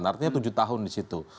artinya tujuh tahun disitu